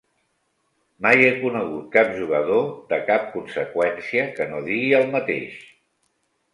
Mai he conegut cap jugador de cap conseqüència que no digui el mateix.